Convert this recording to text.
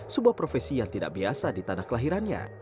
sebuah profesi yang tidak biasa di tanah kelahirannya